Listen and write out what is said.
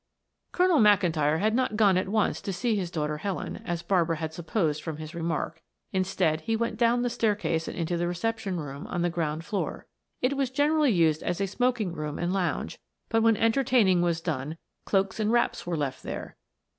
Colonel McIntyre had not gone at once to see his daughter Helen, as Barbara had supposed from his remark, instead he went down the staircase and into the reception room on the ground floor. It was generally used as a smoking room and lounge, but when entertaining was done, cloaks and wraps were left there.